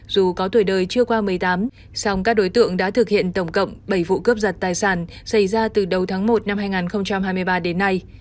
dù có tuổi đời chưa qua một mươi tám song các đối tượng đã thực hiện tổng cộng bảy vụ cướp giật tài sản xảy ra từ đầu tháng một năm hai nghìn hai mươi ba đến nay